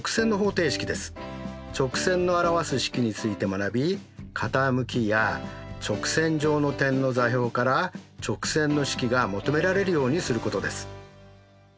直線の表す式について学び傾きや直線上の点の座標から直線の式が求められるようにすることです。